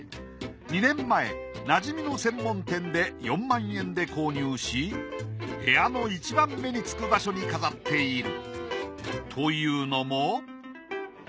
２年前馴染みの専門店で４万円で購入し部屋のいちばん目につく場所に飾っている。